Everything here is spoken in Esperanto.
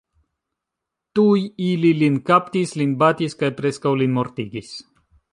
Tuj ili Lin kaptis, lin batis, kaj preskaŭ lin mortigis.